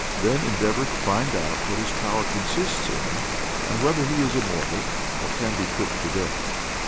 Then endeavour to find out what his power consists in, and whether he is immortal, or can be put to death."